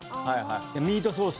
ミートソース。